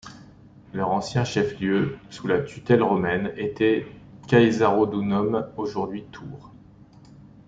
Leur ancien chef-lieu, sous la tutelle romaine, était Caesarodunum, aujourd’hui Tours.